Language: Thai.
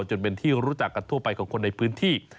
จนเป็นที่รู้จักกันทั่วไปของคนในพื้นที่